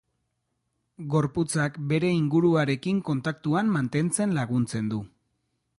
Gorputzak bere inguruarekin kontaktuan mantentzen laguntzen du.